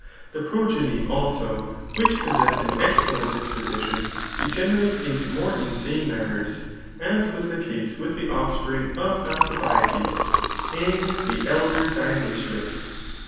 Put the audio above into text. The progeny, also, which possessed an excellent disposition degenerates into more insane manners, as was the case with the offspring of Alcibiades, and the elder Dionysius.